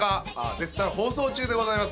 絶賛放送中でございます。